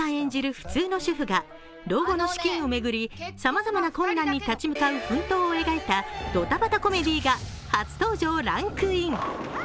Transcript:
普通の主婦が老後の資金を巡りさまざまな困難に立ち向かう奮闘を描いたドタバタコメディーが初登場ランクイン。